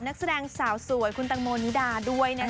นักแสดงสาวสวยคุณตังโมนิดาด้วยนะคะ